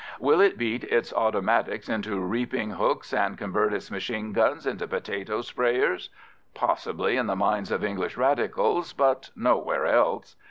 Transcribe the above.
Will it beat its automatics into reaping hooks and convert its machine guns into potato sprayers? Possibly in the minds of English Radicals, but nowhere else.